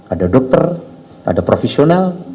ada dokter ada profesional